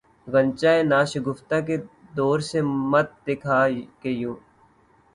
غنچۂ ناشگفتہ کو دور سے مت دکھا کہ یوں